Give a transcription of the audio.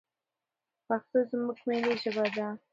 پښتو زموږ ملي ژبه ده.